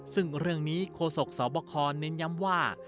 ซึ่งเรื่องนี้โคศกสบคเน้นย้ำว่า